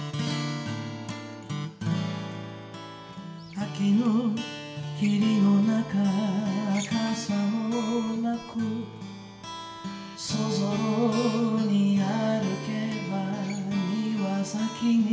「秋の霧の中傘もなくそぞろに歩けば庭先に」